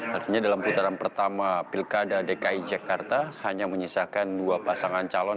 artinya dalam putaran pertama pilkada dki jakarta hanya menyisakan dua pasangan calon